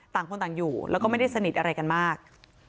ต่างคนต่างอยู่แล้วก็ไม่ได้สนิทอะไรกันมาก